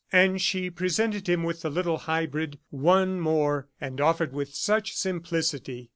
And she presented him with the little hybrid. One more, and offered with such simplicity!